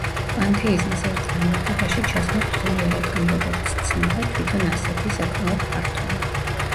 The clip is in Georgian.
პანთეიზმის ერთ განმარტებაში ჩასმა რთულია, რადგან, როგორც ცნება, თვითონ ასეთი, საკმაოდ ფართოა.